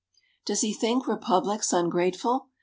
Does he think republics ungrateful?